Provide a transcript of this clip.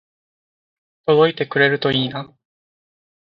届いてくれるといいな